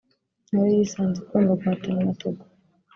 na yo yisanze igomba guhatana na Togo